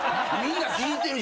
聞いてる？